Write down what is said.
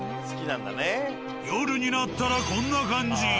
夜になったらこんな感じ。